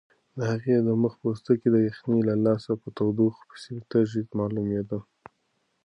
د هغې د مخ پوستکی د یخنۍ له لاسه په تودوخه پسې تږی معلومېده.